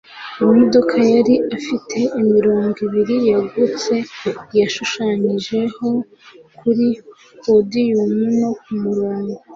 Imodoka yari ifite imirongo ibiri yagutse yashushanyijeho kuri podiyumu no kumurongo.